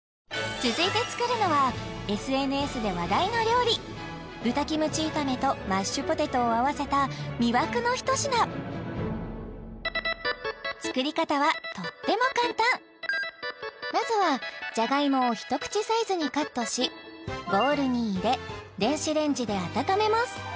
続いて作るのはＳＮＳで話題の料理豚キムチ炒めとマッシュポテトを合わせた魅惑の一品作り方はとっても簡単まずはじゃがいもを一口サイズにカットしボウルに入れ電子レンジで温めます